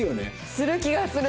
する気がする！